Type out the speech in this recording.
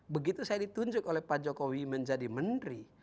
begitu saya ditunjuk oleh pak jokowi menjadi mbak desi